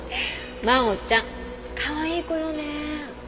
真央ちゃんかわいい子よね。